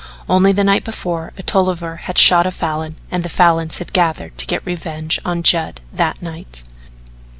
Only the night before a Tolliver had shot a Falin and the Falins had gathered to get revenge on Judd that night.